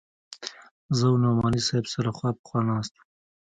زه او نعماني صاحب سره خوا په خوا ناست وو.